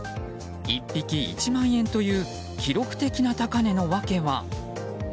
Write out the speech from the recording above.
１匹１万円という記録的な高値の訳は。